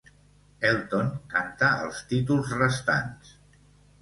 Elton canta els títols restants.